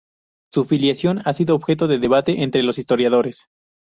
Su filiación ha sido objeto de debate entre los historiadores.